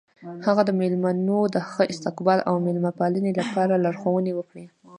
هغه د میلمنو د ښه استقبال او میلمه پالنې لپاره لارښوونې وکړې.